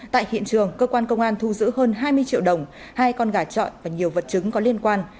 tại hiện trường cơ quan công an thu giữ hơn hai mươi triệu đồng hai con gà trọi và nhiều vật chứng có liên quan